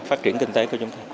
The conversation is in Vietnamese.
phát triển kinh tế của chúng ta